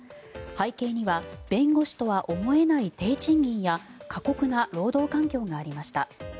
背景には弁護士とは思えない低賃金や過酷な労働環境がありました。